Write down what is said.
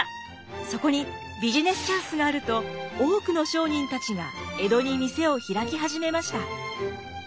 そこにビジネスチャンスがあると多くの商人たちが江戸に店を開き始めました。